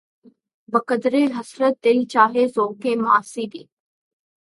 بقدرِ حسرتِ دل‘ چاہیے ذوقِ معاصی بھی